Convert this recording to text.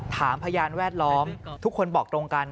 พยานแวดล้อมทุกคนบอกตรงกัน